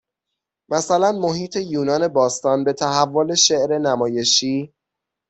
مثلاً محیط یونان باستان به تحول شعر نمایشی